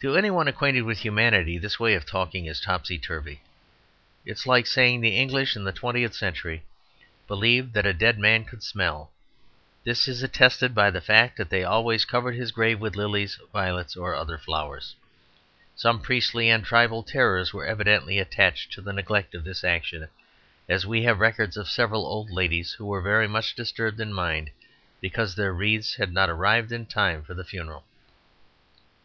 To any one acquainted with humanity this way of talking is topsy turvy. It is like saying, "The English in the twentieth century believed that a dead man could smell. This is attested by the fact that they always covered his grave with lilies, violets, or other flowers. Some priestly and tribal terrors were evidently attached to the neglect of this action, as we have records of several old ladies who were very much disturbed in mind because their wreaths had not arrived in time for the funeral."